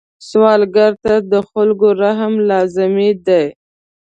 سوالګر ته د خلکو رحم لازمي دی